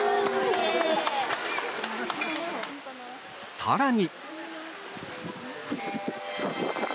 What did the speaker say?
更に。